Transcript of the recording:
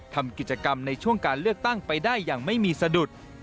ทำกิจกรรมในช่วงการเลือกตั้งไปได้อย่างไม่มีสะดุด